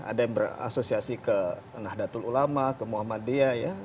ada yang berasosiasi ke nahdlatul ulama ke muhammadiyah ya